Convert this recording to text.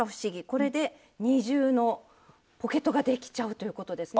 これで二重のポケットができちゃうということですね。